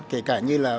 kể cả như là